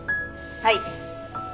はい。